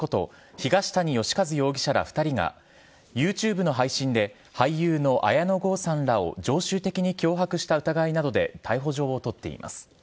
東谷義和容疑者ら２人がＹｏｕＴｕｂｅの配信で俳優の綾野剛さんらを常習的に脅迫した疑いなどで逮捕状を取っています。